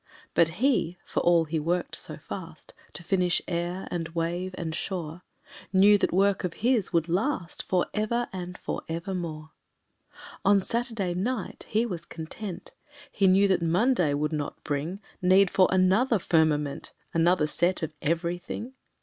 But He for all He worked so fast To finish air, and wave, and shore, Knew that this work of His would last For ever and for evermore. On Saturday night He was content, He knew that Monday would not bring Need for another firmament, Another set of everything.